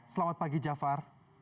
selamat pagi jafar